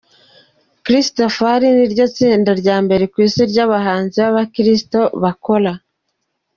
Christafari, ni ryo tsinda rya mbere ku isi ry'abahanzi b'abakristo bakora